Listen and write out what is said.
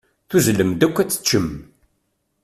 Tuzzlem-d akk ad teččem.